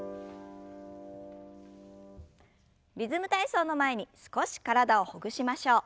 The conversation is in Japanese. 「リズム体操」の前に少し体をほぐしましょう。